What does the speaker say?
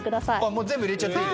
もう全部入れちゃっていい？